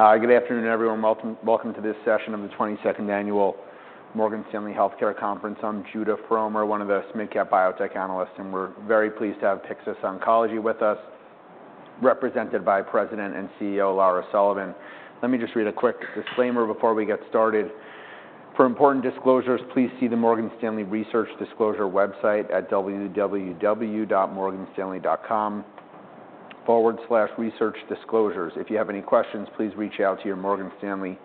Hi, good afternoon, everyone. Welcome, welcome to this session of the twenty-second Annual Morgan Stanley Healthcare Conference. I'm Judah Frommer, one of the mid-cap biotech analysts, and we're very pleased to have Pyxis Oncology with us, represented by President and CEO, Lara Sullivan. Let me just read a quick disclaimer before we get started. For important disclosures, please see the Morgan Stanley Research Disclosure website at www.morganstanley.com/researchdisclosures. If you have any questions, please reach out to your Morgan Stanley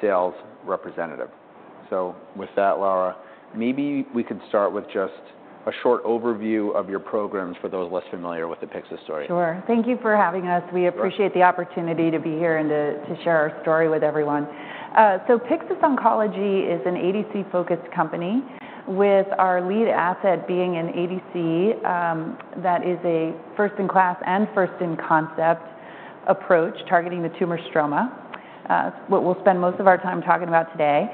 sales representative. With that, Lara, maybe we could start with just a short overview of your programs for those less familiar with the Pyxis story. Sure. Thank you for having us. Sure. We appreciate the opportunity to be here and to share our story with everyone. Pyxis Oncology is an ADC-focused company, with our lead asset being an ADC that is a first-in-class and first-in-concept approach, targeting the tumor stroma. What we'll spend most of our time talking about today.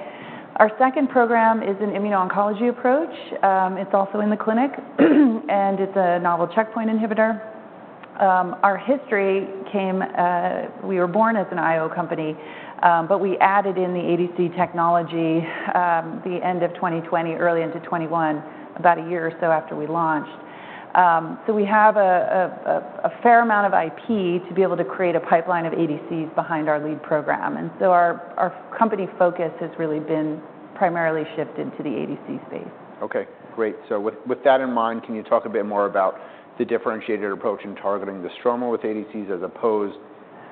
Our second program is an immuno-oncology approach. It's also in the clinic, and it's a novel checkpoint inhibitor. Our history came... We were born as an IO company, but we added in the ADC technology, the end of 2020, early into 2021, about a year or so after we launched. So we have a fair amount of IP to be able to create a pipeline of ADCs behind our lead program, and so our company focus has really been primarily shifted to the ADC space. Okay, great. With that in mind, can you talk a bit more about the differentiated approach in targeting the stroma with ADCs, as opposed to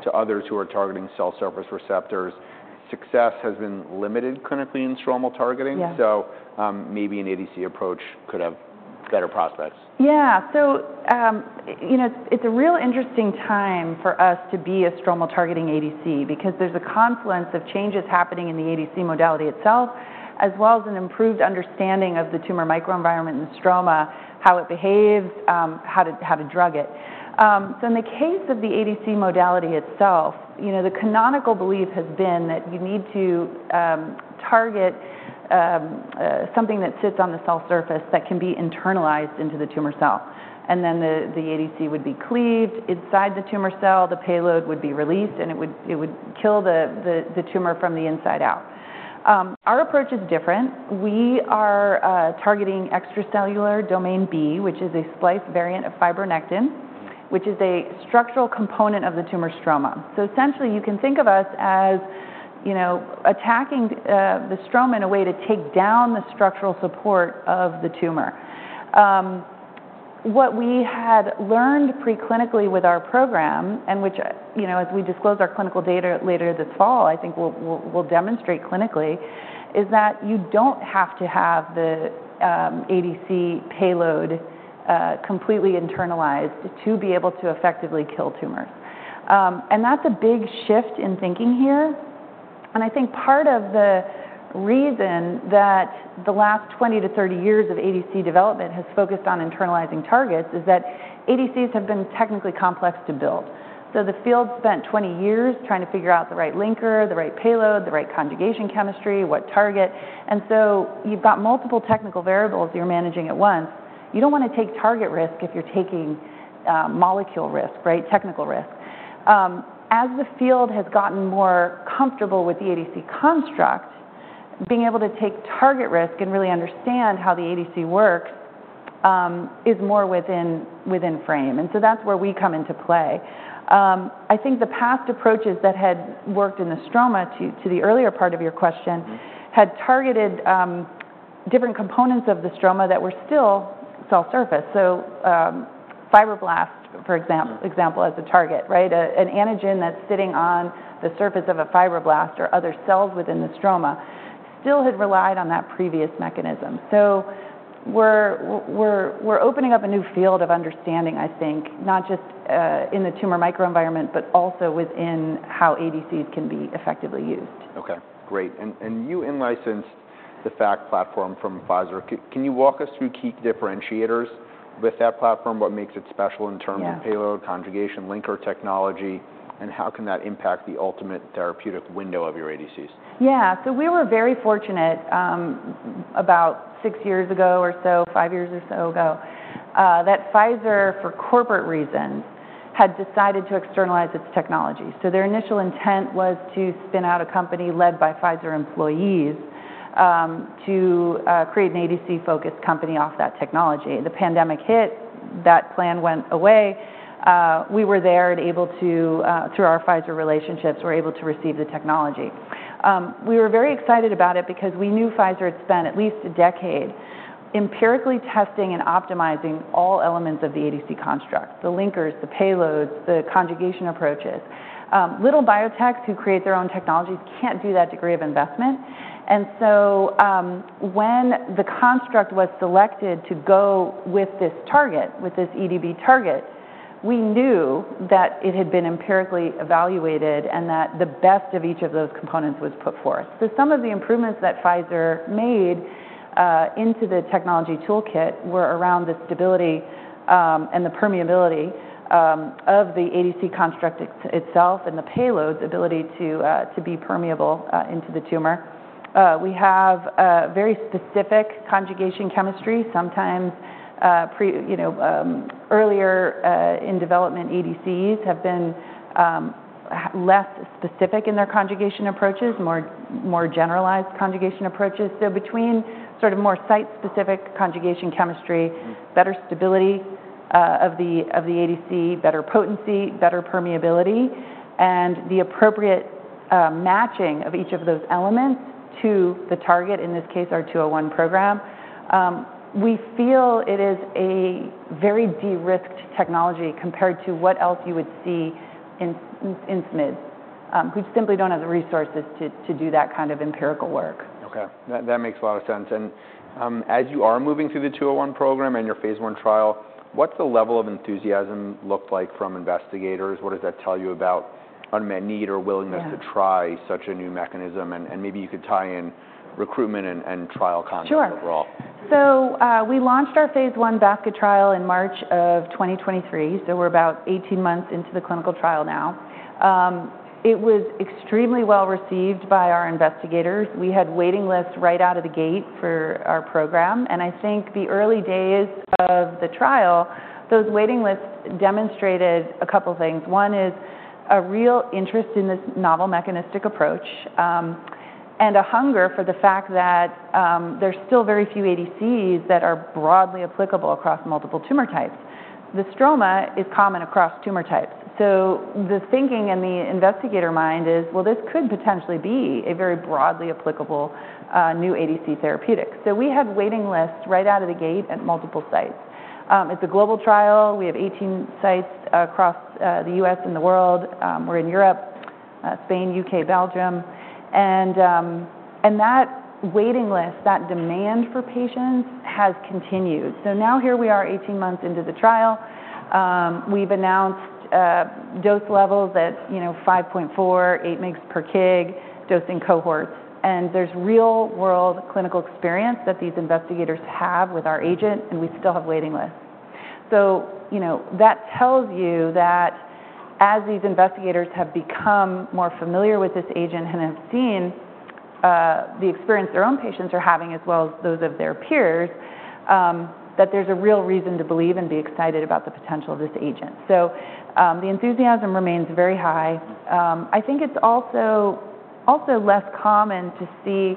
others who are targeting cell surface receptors? Success has been limited clinically in stromal targeting. Yeah. Maybe an ADC approach could have better prospects. Yeah. You know, it's a real interesting time for us to be a stromal targeting ADC, because there's a confluence of changes happening in the ADC modality itself, as well as an improved understanding of the tumor microenvironment and stroma, how it behaves, you know, how to, how to drug it. In the case of the ADC modality itself, you know, the canonical belief has been that you need to, you know, target something that sits on the cell surface that can be internalized into the tumor cell, and then the ADC would be cleaved inside the tumor cell, the payload would be released, and it would, it would kill the tumor from the inside out. Our approach is different. We are targeting extracellular domain B, which is a splice variant of fibronectin, which is a structural component of the tumor stroma. Essentially, you can think of us as, you know, attacking the stroma in a way to take down the structural support of the tumor. What we had learned preclinically with our program, and which, you know, as we disclose our clinical data later this fall, I think we'll demonstrate clinically, is that you don't have to have the ADC payload completely internalized to be able to effectively kill tumors. That's a big shift in thinking here, and I think part of the reason that the last 20 to 30 years of ADC development has focused on internalizing targets is that ADCs have been technically complex to build. The field spent twenty years trying to figure out the right linker, the right payload, the right conjugation chemistry, what target, and so you've got multiple technical variables you're managing at once. You don't want to take target risk if you're taking molecule risk, right, technical risk. As the field has gotten more comfortable with the ADC construct, being able to take target risk and really understand how the ADC works is more within frame, and so that's where we come into play. I think the past approaches that had worked in the stroma, to the earlier part of your question— Mm-hmm. had targeted, different components of the stroma that were still cell surface. So, fibroblasts, for exam- Mm. For example, as a target, right? An antigen that's sitting on the surface of a fibroblast or other cells within the stroma still had relied on that previous mechanism. We're opening up a new field of understanding, I think, not just in the tumor microenvironment, but also within how ADCs can be effectively used. Okay, great. And you in-licensed the ADC platform from Pfizer. Can you walk us through key differentiators with that platform, what makes it special in terms of— Yeah... payload, conjugation, linker technology, and how can that impact the ultimate therapeutic window of your ADCs? Yeah. We were very fortunate, about six years ago or so, five years or so ago, that Pfizer, for corporate reasons, had decided to externalize its technology. Their initial intent was to spin out a company led by Pfizer employees to create an ADC-focused company off that technology. The pandemic hit, that plan went away. We were there and able to, through our Pfizer relationships, receive the technology. We were very excited about it because we knew Pfizer had spent at least a decade empirically testing and optimizing all elements of the ADC construct, the linkers, the payloads, the conjugation approaches. Little biotechs who create their own technologies can't do that degree of investment, and so, when the construct was selected to go with this target, with this EDB target... We knew that it had been empirically evaluated, and that the best of each of those components was put forth. Some of the improvements that Pfizer made into the technology toolkit were around the stability and the permeability of the ADC construct itself, and the payload's ability to be permeable into the tumor. We have a very specific conjugation chemistry. Sometimes, you know, earlier in development ADCs have been less specific in their conjugation approaches, more, more generalized conjugation approaches. Between sort of more site-specific conjugation chemistry, better stability of the ADC, better potency, better permeability, and the appropriate matching of each of those elements to the target, in this case, our 201 program, we feel it is a very de-risked technology compared to what else you would see in SMIDs, who simply do not have the resources to do that kind of empirical work. Okay, that makes a lot of sense. As you are moving through the 201 program and your Phase I trial, what's the level of enthusiasm look like from investigators? What does that tell you about unmet need or willingness Yeah... to try such a new mechanism? Maybe you could tie in recruitment and trial conduct overall. Sure. We launched our Phase I basket trial in March of 2023, so we're about eighteen months into the clinical trial now. It was extremely well-received by our investigators. We had waiting lists right out of the gate for our program, and I think the early days of the trial, those waiting lists demonstrated a couple things. One is a real interest in this novel mechanistic approach, and a hunger for the fact that there's still very few ADCs that are broadly applicable across multiple tumor types. The stroma is common across tumor types, so the thinking in the investigator mind is, "Well, this could potentially be a very broadly applicable, new ADC therapeutic." We had waiting lists right out of the gate at multiple sites. It's a global trial. We have eighteen sites across the U.S. and the world. We're in Europe, Spain, U.K., Belgium, and that waiting list, that demand for patients has continued. Now here we are, eighteen months into the trial. We've announced dose levels at 5.4, eight mg/kg, dosing cohorts, and there's real-world clinical experience that these investigators have with our agent, and we still have waiting lists. You know, that tells you that as these investigators have become more familiar with this agent and have seen the experience their own patients are having, as well as those of their peers, that there's a real reason to believe and be excited about the potential of this agent. The enthusiasm remains very high. I think it's also less common to see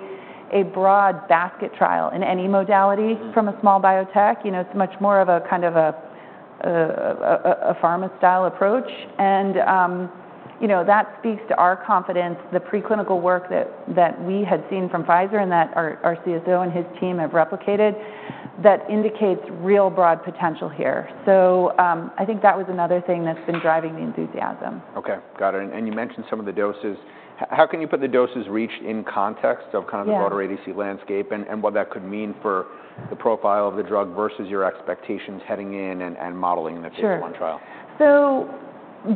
a broad basket trial in any modality from a small biotech. You know, it's much more of a, kind of a pharma-style approach, and, you know, that speaks to our confidence, the preclinical work that we had seen from Pfizer and that our CSO and his team have replicated, that indicates real broad potential here. I think that was another thing that's been driving the enthusiasm. Okay, got it. You mentioned some of the doses. How can you put the doses reached in context of kind of— Yeah... the broader ADC landscape, and what that could mean for the profile of the drug versus your expectations heading in and modeling in the Phase I trial? Sure.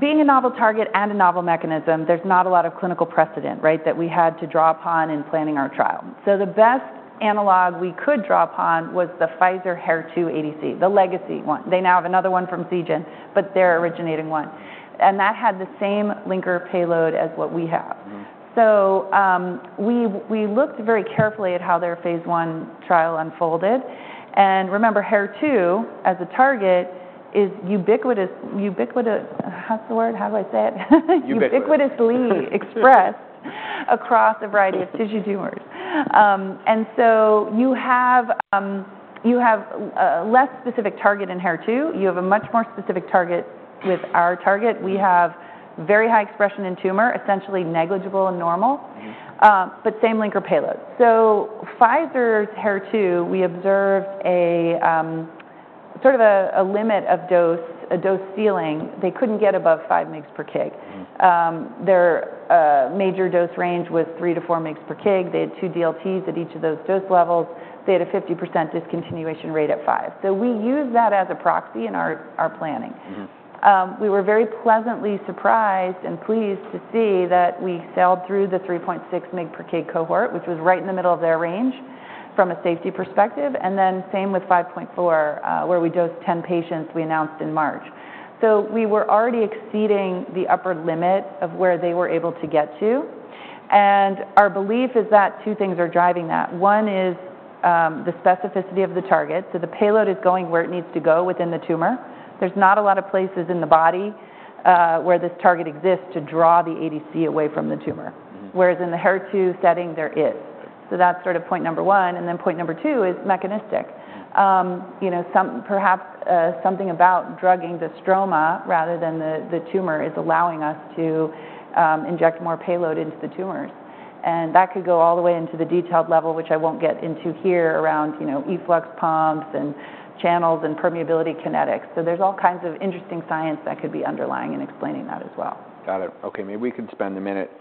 Being a novel target and a novel mechanism, there's not a lot of clinical precedent, right, that we had to draw upon in planning our trial. The best analog we could draw upon was the Pfizer HER2 ADC, the legacy one. They now have another one from Seagen, but their originating one, and that had the same linker payload as what we have. Mm-hmm. We looked very carefully at how their Phase I trial unfolded, and remember, HER2 as a target is ubiquitous, ubiquitous... What's the word? How do I say it? Ubiquitous. Ubiquitously expressed across a variety of tissue tumors. You have a less specific target in HER2. You have a much more specific target with our target. We have very high expression in tumor, essentially negligible in normal- Mm-hmm... but same linker payload. Pfizer's HER2, we observed a sort of a limit of dose, a dose ceiling. They could not get above 5 mg per kg. Mm-hmm. Their major dose range was 3-4 mg per kg. They had two DLTs at each of those dose levels. They had a 50% discontinuation rate at 5. We used that as a proxy in our planning. Mm-hmm. We were very pleasantly surprised and pleased to see that we sailed through the 3.6 mg per kg cohort, which was right in the middle of their range from a safety perspective, and then same with 5.4, where we dosed 10 patients we announced in March. We were already exceeding the upper limit of where they were able to get to, and our belief is that two things are driving that. One is, the specificity of the target, so the payload is going where it needs to go within the tumor. There's not a lot of places in the body where this target exists to draw the ADC away from the tumor. Mm-hmm. Whereas in the HER2 setting, there is. Right. That's sort of point number one, and then point number two is mechanistic. Mm-hmm. You know, perhaps something about drugging the stroma rather than the tumor is allowing us to inject more payload into the tumors, and that could go all the way into the detailed level, which I won't get into here, around, you know, efflux pumps and channels and permeability kinetics. There is all kinds of interesting science that could be underlying and explaining that as well. Got it. Okay, maybe we could spend a minute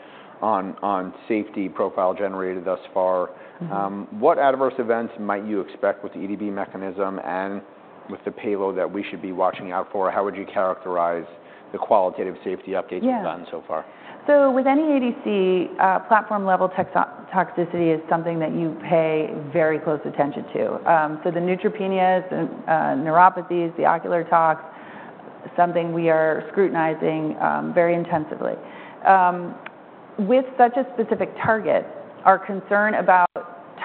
on, on safety profile generated thus far. Mm-hmm. What adverse events might you expect with the EDB mechanism and with the payload that we should be watching out for? How would you characterize the qualitative safety updates? Yeah -you've gotten so far? With any ADC, platform-level toxicity is something that you pay very close attention to. The neutropenias and neuropathies, the ocular tox, something we are scrutinizing very intensively. With such a specific target, our concern about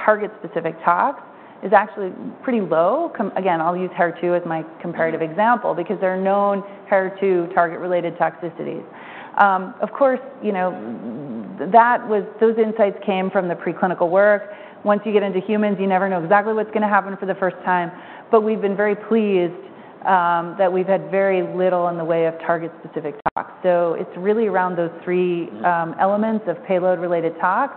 target-specific tox is actually pretty low. Again, I'll use HER2 as my comparative example, because there are known HER2 target-related toxicities. Of course, you know, that was-- those insights came from the preclinical work. Once you get into humans, you never know exactly what's gonna happen for the first time, but we've been very pleased that we've had very little in the way of target-specific tox. It is really around those three- Mm Elements of payload-related tox,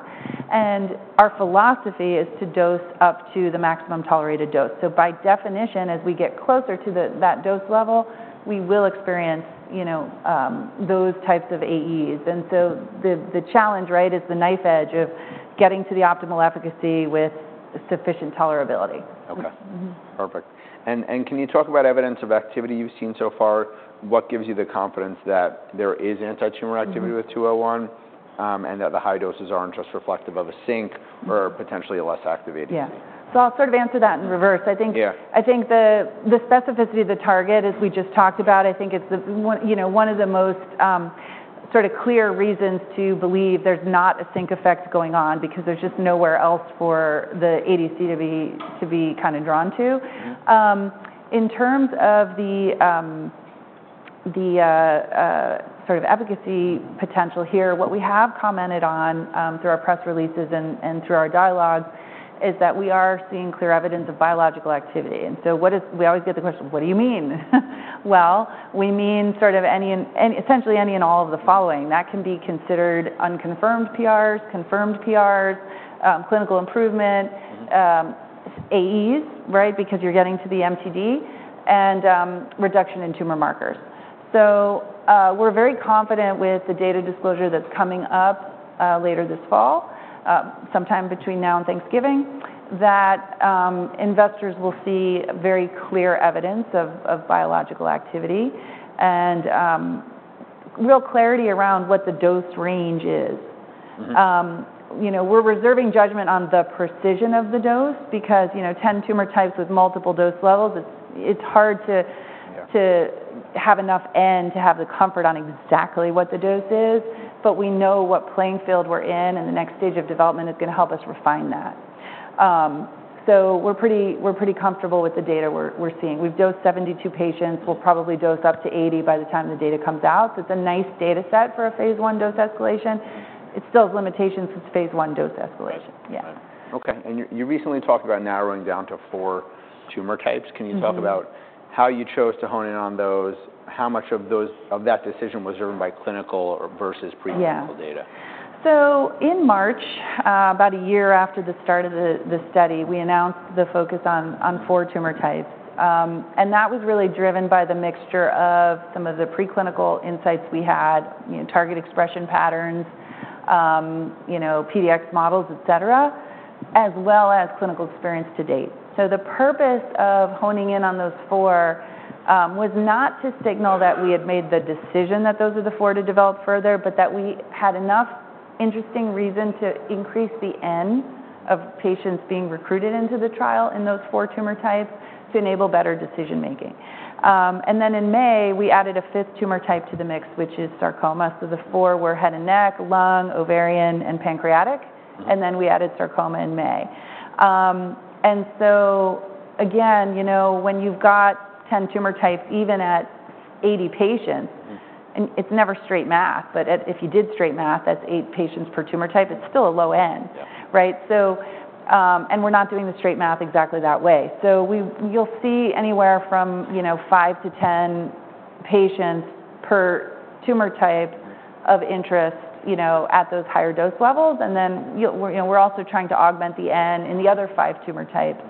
and our philosophy is to dose up to the maximum tolerated dose. By definition, as we get closer to that dose level, we will experience, you know, those types of AEs. The challenge, right, is the knife edge of getting to the optimal efficacy with sufficient tolerability. Okay. Mm-hmm. Perfect. Can you talk about evidence of activity you've seen so far? What gives you the confidence that there is antitumor activity? Mm-hmm... with 201, and that the high doses aren't just reflective of a sink- Mm -or potentially a less activated? Yeah. I'll sort of answer that in reverse. Yeah. I think the specificity of the target, as we just talked about, I think is one, you know, one of the most, sort of clear reasons to believe there's not a sink effect going on because there's just nowhere else for the ADC to be, to be kind of drawn to. Mm-hmm. In terms of the, the, sort of efficacy potential here, what we have commented on through our press releases and through our dialogues is that we are seeing clear evidence of biological activity. What is... We always get the question, "What do you mean?" We mean sort of any and essentially any and all of the following: that can be considered unconfirmed PRs, confirmed PRs, clinical improvement- Mm-hmm AEs, right? Because you're getting to the MTD, and reduction in tumor markers. We're very confident with the data disclosure that's coming up later this fall, sometime between now and Thanksgiving, that investors will see very clear evidence of biological activity and real clarity around what the dose range is. Mm-hmm. You know, we're reserving judgment on the precision of the dose because, you know, ten tumor types with multiple dose levels, it's hard to- Yeah... to have enough N to have the comfort on exactly what the dose is, but we know what playing field we're in, and the next stage of development is gonna help us refine that. We're pretty, we're pretty comfortable with the data we're, we're seeing. We've dosed 72 patients. We'll probably dose up to 80 by the time the data comes out, so it's a nice data set for a Phase I dose escalation. Mm. It still has limitations. It's Phase I dose escalation. Right. Yeah. Okay, you recently talked about narrowing down to four tumor types. Mm-hmm. Can you talk about how you chose to hone in on those? How much of those, of that decision was driven by clinical or versus preclinical data? Yeah. In March, about a year after the start of the study, we announced the focus on four tumor types. That was really driven by the mixture of some of the preclinical insights we had, you know, target expression patterns, you know, PDX models, et cetera, as well as clinical experience to date. The purpose of honing in on those four was not to signal that we had made the decision that those are the four to develop further, but that we had enough interesting reason to increase the N of patients being recruited into the trial in those four tumor types to enable better decision-making. In May, we added a fifth tumor type to the mix, which is sarcoma. The four were head and neck, lung, ovarian, and pancreatic. Mm. Then we added sarcoma in May. You know, when you've got 10 tumor types, even at 80 patients— Mm... and it's never straight math, but if you did straight math, that's eight patients per tumor type. It's still a low end. Yeah. Right? So, and we're not doing the straight math exactly that way. You'll see anywhere from, you know, five to ten patients per tumor type of interest, you know, at those higher dose levels, and then you'll, we're, you know, we're also trying to augment the N in the other five tumor types.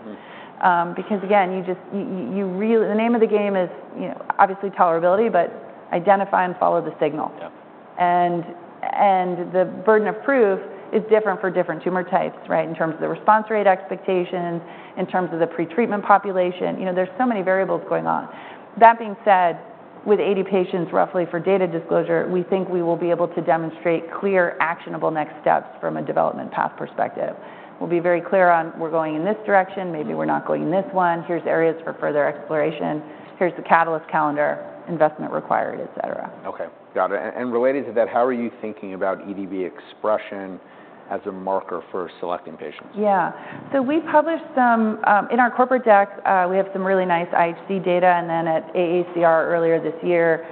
Mm. Because again, you just, you really—the name of the game is, you know, obviously tolerability, but identify and follow the signal. Yeah. The burden of proof is different for different tumor types, right? In terms of the response rate expectations, in terms of the pretreatment population. You know, there's so many variables going on. That being said, with 80 patients, roughly, for data disclosure, we think we will be able to demonstrate clear, actionable next steps from a development path perspective. We'll be very clear on, "We're going in this direction. Maybe we're not going in this one. Here's areas for further exploration. Here's the catalyst calendar, investment required," et cetera. Okay, got it. And related to that, how are you thinking about EDB expression as a marker for selecting patients? Yeah. We published some... In our corporate deck, we have some really nice IHC data, and at AACR earlier this year,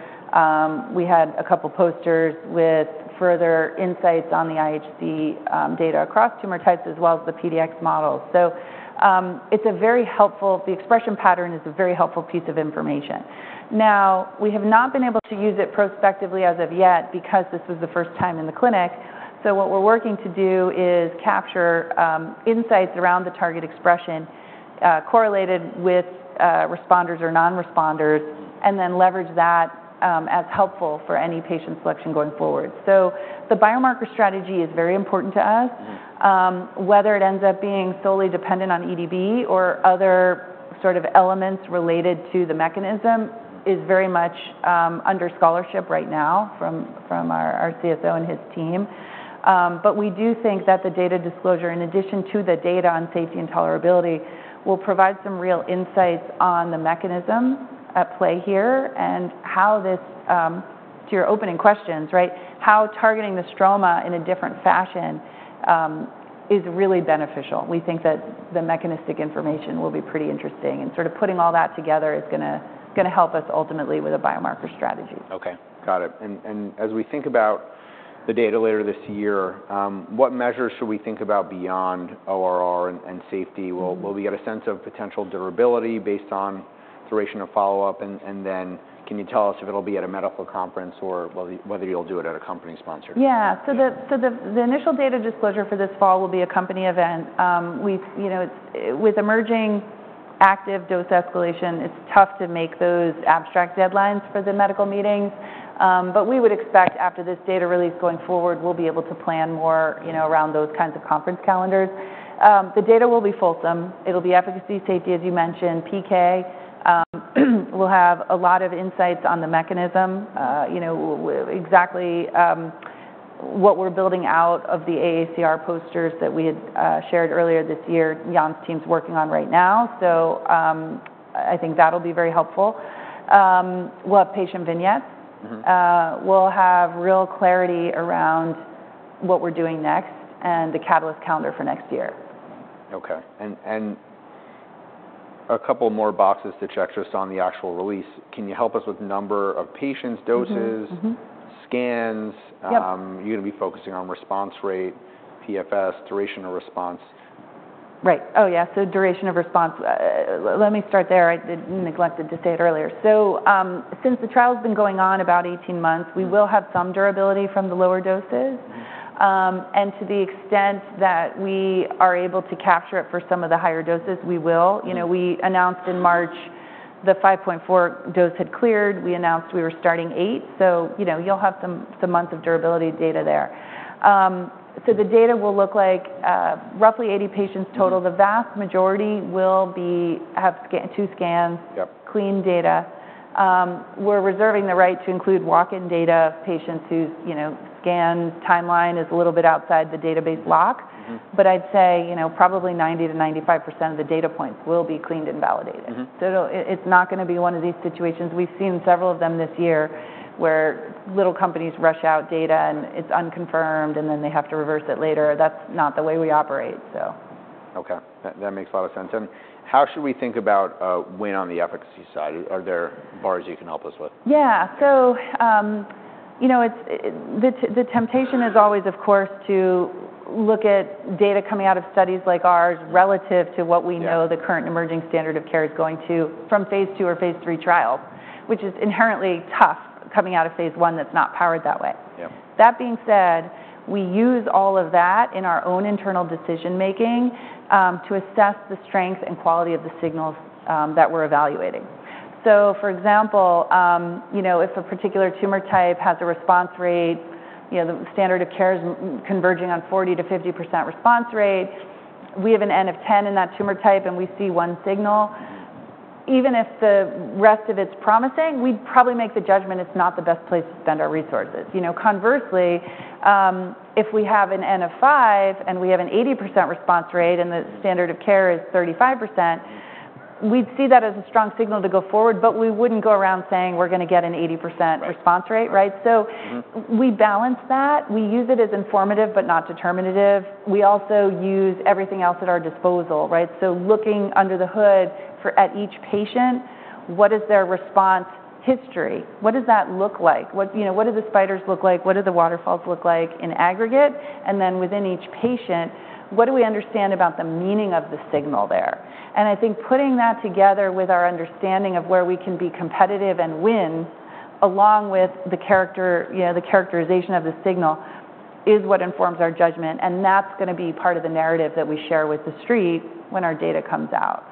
we had a couple posters with further insights on the IHC data across tumor types as well as the PDX models. It is a very helpful—the expression pattern is a very helpful piece of information. Now, we have not been able to use it prospectively as of yet because this is the first time in the clinic. What we are working to do is capture insights around the target expression, correlated with responders or non-responders, and then leverage that as helpful for any patient selection going forward. The biomarker strategy is very important to us. Mm-hmm. Whether it ends up being solely dependent on EDB or other sort of elements related to the mechanism is very much under scholarship right now from our CSO and his team. We do think that the data disclosure, in addition to the data on safety and tolerability, will provide some real insights on the mechanism at play here and how this, to your opening questions, right? How targeting the stroma in a different fashion is really beneficial. We think that the mechanistic information will be pretty interesting, and sort of putting all that together is gonna help us ultimately with a biomarker strategy. Okay, got it. As we think about the data later this year, what measures should we think about beyond ORR and safety? Mm-hmm. Will we get a sense of potential durability based on duration of follow-up? And then can you tell us if it'll be at a medical conference or whether you'll do it at a company sponsored? Yeah. Yeah. The initial data disclosure for this fall will be a company event. We've, you know, with emerging active dose escalation, it's tough to make those abstract deadlines for the medical meetings. We would expect after this data release going forward, we'll be able to plan more, you know, around those kinds of conference calendars. The data will be fulsome. It'll be efficacy, safety, as you mentioned, PK. We'll have a lot of insights on the mechanism. You know, exactly what we're building out of the AACR posters that we had shared earlier this year, Jan's team's working on right now. I think that'll be very helpful. We'll have patient vignettes. Mm-hmm. We'll have real clarity around what we're doing next and the catalyst calendar for next year. Okay. And a couple more boxes to check just on the actual release. Can you help us with number of patients, doses- Mm-hmm, mm-hmm. -scans? Yep. You're gonna be focusing on response rate, PFS, duration of response. Right. Oh, yeah, so duration of response. Let me start there. I did neglected to say it earlier. Since the trial's been going on about eighteen months- Mm-hmm. We will have some durability from the lower doses. And to the extent that we are able to capture it for some of the higher doses, we will. Mm-hmm. You know, we announced in March the 5.4 dose had cleared. We announced we were starting 8, you know, you'll have some month of durability data there. The data will look like, roughly 80 patients total. Mm-hmm. The vast majority will be, have scan, two scans. Yep ...clean data. We're reserving the right to include walk-in data of patients whose, you know, scan timeline is a little bit outside the database lock. Mm-hmm. I'd say, you know, probably 90-95% of the data points will be cleaned and validated. Mm-hmm. It is not gonna be one of these situations. We've seen several of them this year, where little companies rush out data, and it's unconfirmed, and then they have to reverse it later. That's not the way we operate, so. Okay. That makes a lot of sense. How should we think about, win on the efficacy side? Are there bars you can help us with? Yeah. You know, the temptation is always, of course, to look at data coming out of studies like ours relative- Yeah... to what we know the current emerging standard of care is going to from Phase II or Phase III trials, which is inherently tough coming out of Phase I that's not powered that way. Yep. That being said, we use all of that in our own internal decision-making to assess the strength and quality of the signals that we're evaluating. For example, you know, if a particular tumor type has a response rate, you know, the standard of care is converging on 40-50% response rate, we have an N of 10 in that tumor type, and we see one signal. Mm. Even if the rest of it's promising, we'd probably make the judgment it's not the best place to spend our resources. You know, conversely, if we have an N of five, and we have an 80% response rate, and the standard of care is 35%— Mm ... we'd see that as a strong signal to go forward, but we wouldn't go around saying we're gonna get an 80%- Right... response rate, right? Mm-hmm. We balance that. We use it as informative but not determinative. We also use everything else at our disposal, right? Looking under the hood at each patient, what is their response history? What does that look like? You know, what do the spiders look like? What do the waterfalls look like in aggregate? Within each patient, what do we understand about the meaning of the signal there? I think putting that together with our understanding of where we can be competitive and win, along with the characterization of the signal, is what informs our judgment, and that's gonna be part of the narrative that we share with the Street when our data comes out.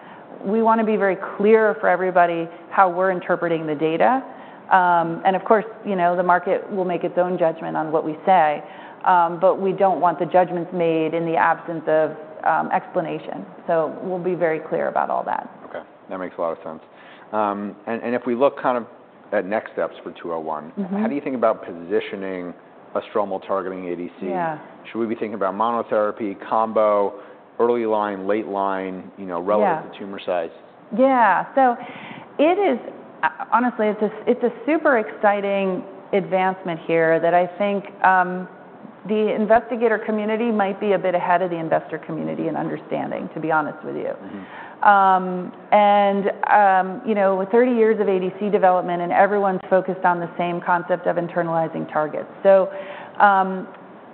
We want to be very clear for everybody how we're interpreting the data. And of course, you know, the market will make its own judgment on what we say, but we don't want the judgments made in the absence of, you know, explanation, so we'll be very clear about all that. Okay. That makes a lot of sense. And if we look kind of at next steps for 201— Mm-hmm... how do you think about positioning a stromal targeting ADC? Yeah. Should we be thinking about monotherapy, combo, early line, late line, you know? Yeah... relevant to tumor size? Yeah. It is, honestly, it's a, it's a super exciting advancement here that I think the investigator community might be a bit ahead of the investor community in understanding, to be honest with you. Mm. And, you know, with 30 years of ADC development, and everyone's focused on the same concept of internalizing targets.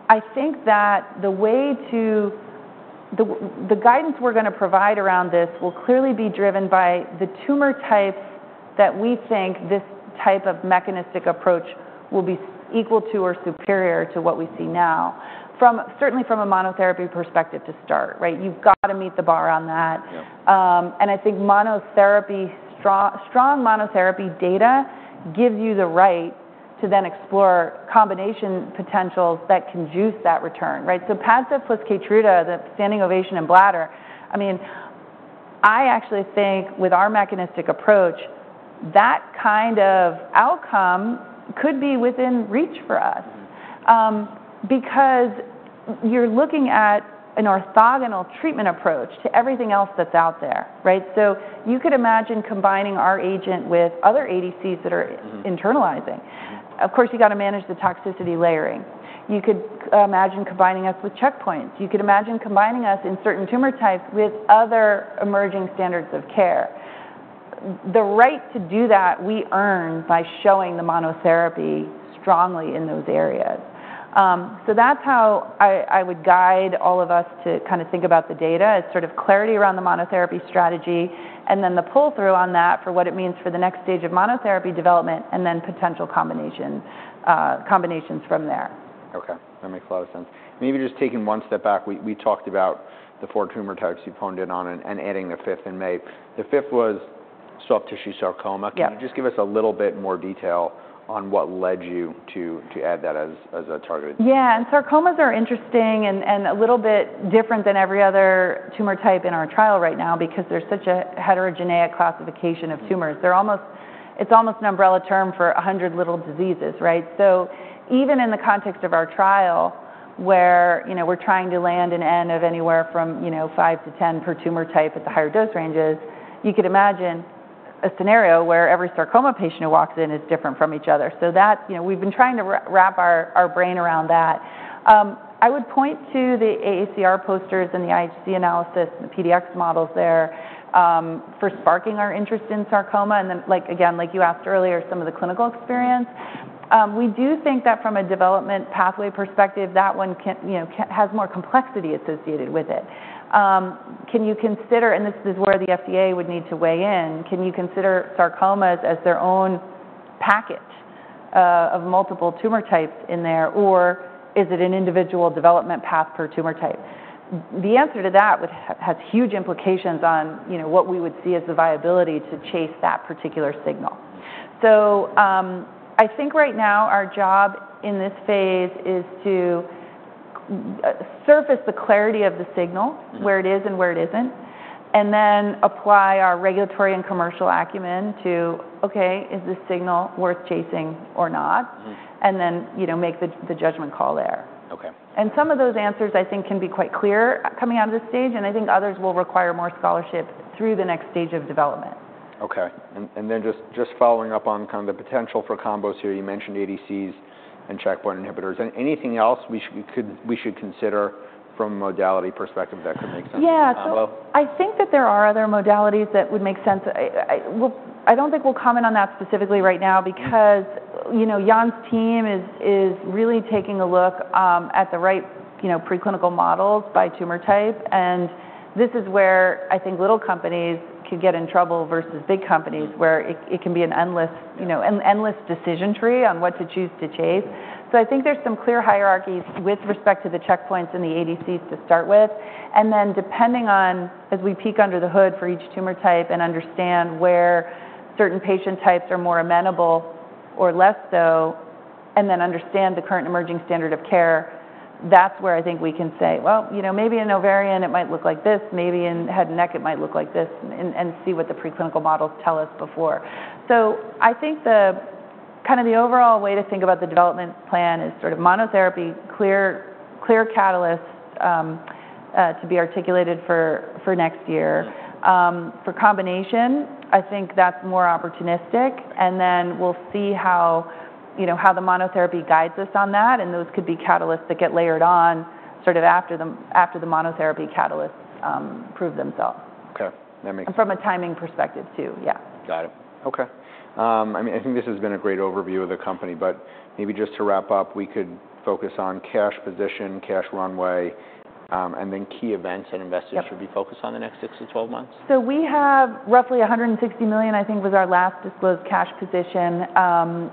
I think that the way to—the guidance we're gonna provide around this will clearly be driven by the tumor types that we think this type of mechanistic approach will be equal to or superior to what we see now, from—certainly from a monotherapy perspective to start, right? You've got to meet the bar on that. Yeah. I think monotherapy strong, strong monotherapy data gives you the right to then explore combination potentials that can juice that return, right? Padcev plus Keytruda, the standing ovation in bladder, I mean, I actually think with our mechanistic approach, that kind of outcome could be within reach for us. Mm-hmm. Because you're looking at an orthogonal treatment approach to everything else that's out there, right? You could imagine combining our agent with other ADCs that are- Mm-hmm... internalizing. Of course, you've got to manage the toxicity layering. You could imagine combining us with checkpoints. You could imagine combining us in certain tumor types with other emerging standards of care. The right to do that, we earn by showing the monotherapy strongly in those areas. That's how I would guide all of us to kind of think about the data as sort of clarity around the monotherapy strategy, and then the pull-through on that for what it means for the next stage of monotherapy development, and then potential combination, combinations from there. Okay, that makes a lot of sense. Maybe just taking one step back, we talked about the four tumor types you honed in on and adding a fifth in May. The fifth was soft tissue sarcoma. Yeah. Can you just give us a little bit more detail on what led you to add that as a target? Yeah, and sarcomas are interesting and a little bit different than every other tumor type in our trial right now because there's such a heterogeneous classification of tumors. Mm-hmm. They're almost—it's almost an umbrella term for a hundred little diseases, right? Even in the context of our trial, where, you know, we're trying to land an N of anywhere from, you know, five to ten per tumor type at the higher dose ranges, you could imagine a scenario where every sarcoma patient who walks in is different from each other. We've been trying to wrap our brain around that. I would point to the AACR posters and the IHC analysis and the PDX models there for sparking our interest in sarcoma, and then, like, again, like you asked earlier, some of the clinical experience. We do think that from a development pathway perspective, that one can, you know, has more complexity associated with it. Can you consider... This is where the FDA would need to weigh in, can you consider sarcomas as their own package, of multiple tumor types in there, or is it an individual development path per tumor type? The answer to that would have huge implications on, you know, what we would see as the viability to chase that particular signal. I think right now, our job in this Phase is to surface the clarity of the signal. Mm-hmm... where it is and where it isn't, and then apply our regulatory and commercial acumen to, "Okay, is this signal worth chasing or not? Mm-hmm. You know, make the judgment call there. Okay. Some of those answers, I think, can be quite clear coming out of this stage, and I think others will require more scholarship through the next stage of development. Okay. And then just following up on kind of the potential for combos here, you mentioned ADCs and checkpoint inhibitors. Anything else we should consider from a modality perspective that could make sense as a combo? Yeah. I think that there are other modalities that would make sense. I, I, we'll, I don't think we'll comment on that specifically right now. Mm... because, you know, Jan's team is, is really taking a look at the right, you know, preclinical models by tumor type, and this is where I think little companies could get in trouble versus big companies. Mm-hmm... where it can be an endless, you know, an endless decision tree on what to choose to chase. I think there's some clear hierarchies with respect to the checkpoints and the ADCs to start with. Then depending on as we peek under the hood for each tumor type and understand where certain patient types are more amenable or less so, and then understand the current emerging standard of care, that's where I think we can say, "You know, maybe in ovarian it might look like this, maybe in head and neck it might look like this," and see what the preclinical models tell us before. I think the kind of the overall way to think about the development plan is sort of monotherapy, clear, clear catalyst, to be articulated for next year. Mm-hmm. For combination, I think that's more opportunistic, and then we'll see how, you know, how the monotherapy guides us on that, and those could be catalysts that get layered on, sort of after the, after the monotherapy catalysts, prove themselves. Okay. That makes— From a timing perspective, too. Yeah. Got it. Okay. I mean, I think this has been a great overview of the company, but maybe just to wrap up, we could focus on cash position, cash runway, and then key events. Yeah... that investors should be focused on the next six to twelve months. We have roughly $160 million, I think, was our last disclosed cash position,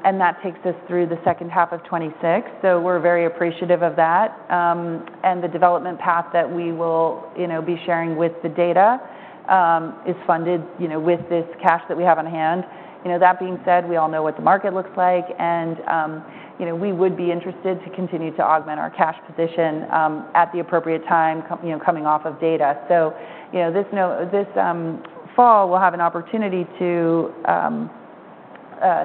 and that takes us through the second half of 2026. We are very appreciative of that, and the development path that we will, you know, be sharing with the data is funded, you know, with this cash that we have on hand. You know, that being said, we all know what the market looks like and, you know, we would be interested to continue to augment our cash position at the appropriate time, you know, coming off of data. You know, this fall, we'll have an opportunity to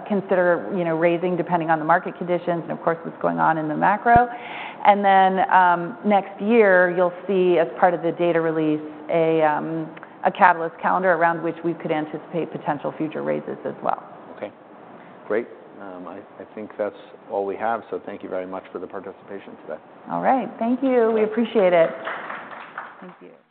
consider, you know, raising, depending on the market conditions and of course, what's going on in the macro. Next year, you'll see, as part of the data release, a catalyst calendar around which we could anticipate potential future raises as well. Okay, great. I think that's all we have, so thank you very much for the participation today. All right. Thank you. We appreciate it. Thank you.